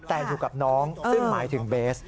แต่อยู่กับน้องซึ่งหมายถึงเบส